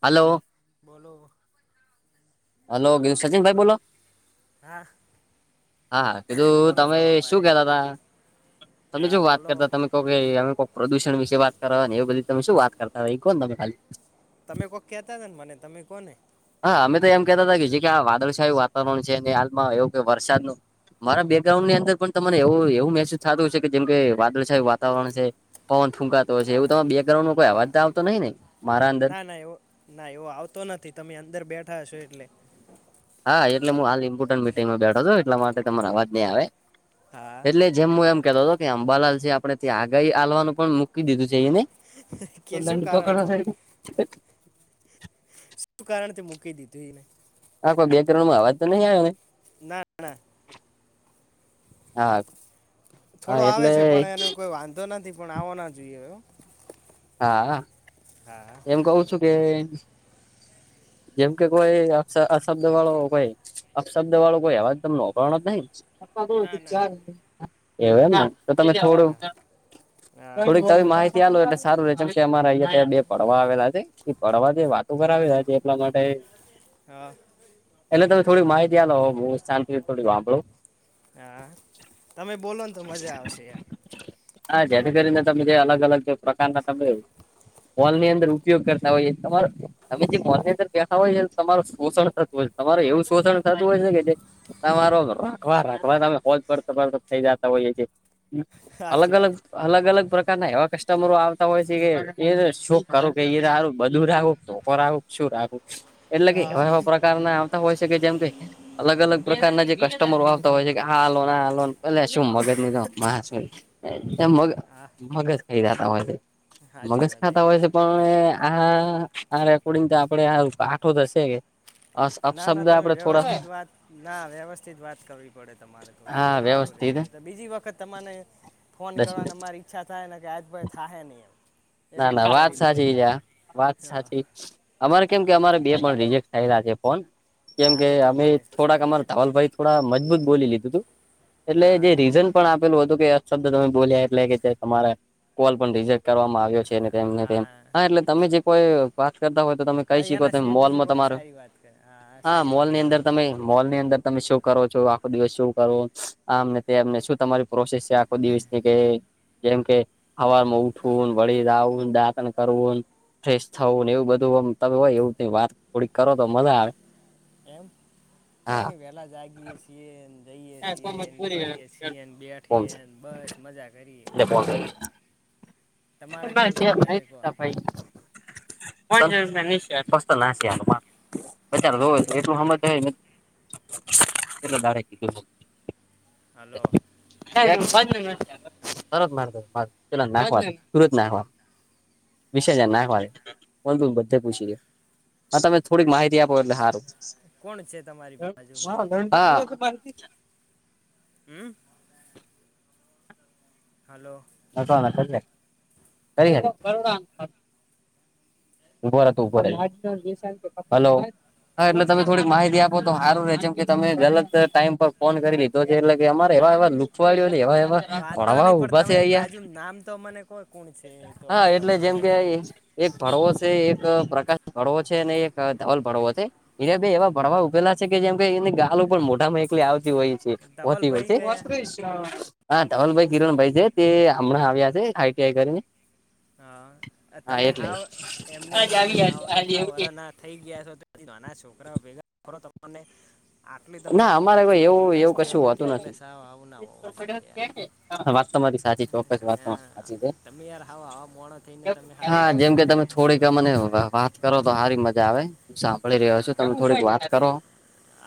હાલો. બોલો. હેલો ગિ સચિન ભાઈ બોલો. હા હાા કીધું બોલો તમે શું શ્રવણભાઈ કેતા તા હા બોલો તો કે અમે કો પ્રદુષણ વિશે વાત કરવા ને એ બધી તમે શું વાત કરતા હોય એ કો ને તમે ખાલી. તમે કોઈ કહેતા હતા ને મને તમે કોને હા અમે તો એમ કેહેતા હતા કે જે કે આ વાદળછાયું વાતાવરણ છે અને હાલમાં એવું કે વરસાદ નુ મારા બેકગ્રાઉન્ડ ની અંદર પણ તને એવું એવું મહેસુસ થતું હ છે કે જેમ કે વાદળછાય વાતાવરણ છે. પવન ફૂંકાતો હોય છે હા એવું તમે બેકગ્રાન્ડો કોઈ હા અવાજ આવતો નહીિ નને મારા અંદર ના ના એવો. ના એવો આવતો નથી તમે અંદર બેઠા હ છો એટલે હા એટલે હું હાલ ઇમ્પોર્ટન્ટ મિટિંગમાં બેઠો છ એટલા માટે તમાર અવાજ નહીં આવે હા એટલે જ જેમું એમ કેતો હતો કે અંબાલાલ છે આપડણે ત્યાં આગા હલવાનું પણ મૂકી દીધું છે એને કે તો શું દં પકડ કારણથી સારી એ. શ કારણ તે મુકે દીધુંને હા કોઈ બે કરોડમાં અવાજ તો નહીં આવેવે હા હા હા. હા થોડો આવે એટલે છે પણ એનો કોઈ વાંધો નથી પણ આવો ના જોઈએ એ. હા. હા. હું કઉ છું કે જેમ કે કોઈ આ શબ્દ વાળો મોબાઇલ. અપશબ્દ વાળો કોઈ અવાજ તમને નોકરનો જ નહી ના ના એ તો તમે થોડુંક હા હા થોડીક માહિતી આલો એટલે સારું રહે જેમ કે અમારા અયા બે ભણવા આવેલા છે પડવા જે વાતો કરાવેલા છે એટલા માટે હા એટલે તમે થોડી માહિતી આલો હ શાંતથી થોડી વાંભળું હા તમે બોલો ને તો મજા આવશે એમ હા જેથી કરીને તમે જે અલગ અલગ પ્રકારના તમે હોલ ની અંદર ઉપયોગ કરતા હોઈએ તમારો તમે જે હોલ ની અંદર બેઠા હોય છે તમારું શોષણ થતું હોય છે તમારું એવું શોષણ થતું હોય છે ને કે જે તમારો રાખવા રાખવા તમે હોજ પડતો પડતો થઈ જતા હોઈએ છીએ અલગ સાચી વાત અલગ અલગ અલગ પ્રકારના એવા કસ્ટમરો આવતા હોય છે કે એ [unintelligible] એટલે કે હા એવા એવા પ્રકારના તા હોય શકે જેમ કે અલગ અલગ પ્રકારના જે કસ્ટમરો આવતા હોય છે કે આ લોન આ લોન પેલે શું મગજ ની તો‌ [unintelligible] એ મગ મગજ ખાઈ જાતા હોય છે. હાચી વાત તા હોય એકદમ છે પણ આ આ રેકોર્ડિંગ તો આપડે આ આઠો થશે કે ના ના અપશબ્દ તમે આપડે થોડા વ્યવસ્થિત વાત ના વ્યવસ્થિત વાત કરવી પડે તમારે થોડી હા તો સારું રે વ્યવસ્થિત ભાઈ તો બીજી વખત તમાને ફોન દસ મિનિટ કરવાના મારી ચ્છા થાહે નક આજ પછી થાહે ની એમ ના એટલું ના વાત વિચારીને સાચી બોલજો છે આ વાત હા સાચી અમારે કેમ કે હા અમારે બે પણ રિજેક થયલા છે ફોન કેમ હા કે એટલા અમે માટે થોડાક અમારા ધાવલભાઈ થોડા મજબૂત બોલી લીધું હતું એટલે હા જે રીઝન આપેલું હતું કે અપશબ્દ તમે બોલ્યા એટલે કે તમારા કોલ પણ રિજેક્ટ કરવામાં આવ્યું છે ને તેમ ને તેમ હા એટલે તમે જે કો એ વાત કરતા હોય તો તમે હા કઈ શીખો એના ત સિવાય બીજી મોલમાં કોઈક તમાર સારી વાત કરે હા સારી મોલ વાત ની અંદર કરો તમે મોલ ની અંદર તમે શું કરો છો આખો દિવસ શું કરો આમને તેમને શું તમારી પ્રોસેસ છે આ ખો દિવસ કે જેમ કે હવારમાં ઉઠવું વળી જાઉન દાતણ કરવુ ફ્રેશ થવું ને એવું બધુંમ તમે હોય એવું વાત થોડીક કરો તો મજા આવે એમ કોઈ હા નહી વહેલા જાગીએે છે. છીએન જઈએ છીએન ફરીએ છીએન બેઠીએ બસ મજા કરીએ તમારે કેવું ચાલે છે કહો [unintelligible] [unintelligible] હા [unintelligible] હલો [unintelligible] [unintelligible] હલો અ તમે થોડીક માહિતી આપો એટલે કોણ છે તમારી બાજુમાં સારું [unintelligible] હમ હલો [unintelligible] ઉભો રે તું ઉભો રે હાલો હા એટલે તમે હલો થોડીક માહિતી આપો તો સારું રહે છેમ કે તમે ગલત ટાઈમ પર ફોન કરી લીધો છે એટલે અમારે એવા એવા લુખવાળો ને એવા એવા વાંધો ભડવાઓ નહીં પણ ઉભા છે તમારી અહિયાં બાજુ નામ તો અને કોઈ કોણ છે તો હા અમારે એટલે ખાબર જેમ પડે કે એક ભડવો છે, એક પ્રકાશ ભડવો છે, અને એક ધવલ ભડવો છે. એ બે એવા ભડવા ઉભેલા છે કે જેમ કે એની ગાલું પણ મોટામાં એકલી આવતી હોય છે. તો હોતી હોય ધવલભાઈ છે કયા હા ધવલભાઈ કિરણ ભાઈ છે. તે હમણાં આવ્યા છે આઈ. ટી. આઈ કરીને હા હા તમે એટલે હાવ એમ નહી તમે હાવ એટલા વર ના થઈ ગયા છે તથી નાના છોકરાઓ ભેગારો તમને આટલી ના તમારામાં અમારે કોઈ ભુ્ચી કે એવું વિકાસ એવું જેવા કશું નથી હોતું એટલે સાવ આવના હોવો જોઈએ. વાત તમારી સાચી ચોક્કસ વાત તમારી હા, સાચી છે. તમે યાર હાવ આવા મોણો થઈને તમે [unintelligible] હાવ હા એવા જેમ ભેગા કે તમે થોડીક મને થઈને અરે, વાત કરો તો સારી મજા આવે સા મળી રહ્યો છો હા તમે થોડીક વાત કરો.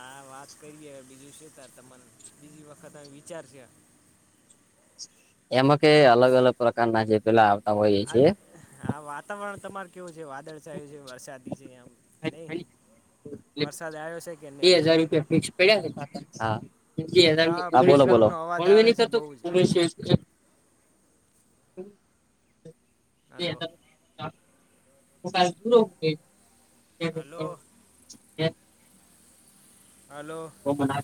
આ વાત કરીએ બીજું છે ત તને બીજી વખત વિચાર છે. એમાં કે અલગ અલગ પ્રકારના જે પેલા. હોઈએ આ છીએ. હા વાતાવરણ તમાર કેવું છે વાદળછાયું છે વરસાદી છે આમ નહી. એટલે બે હજાર રૂપિયા ફિક્સ પડ્યા હા બે તો હજારની. હા બોલો બોલો બેકગ્રાઉન્ડનો અવાજ આવે છે બહુ જ [unintelligible] [inaudible] હાલો! હલો [unintelligible] હલો [unintelligible] મારે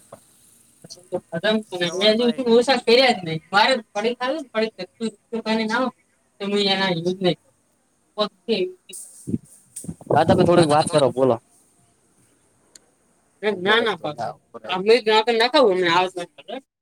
શ્રવણભાઈ [unintelligible] આ તમે હા થોડીક વાત થોડી કરો બોલો. ના ના [unintelligible]